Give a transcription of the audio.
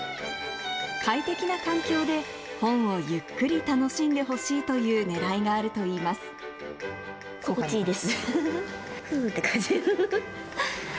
快適な環境で本をゆっくり楽しんでほしいというねらいがあるとい心地いいです。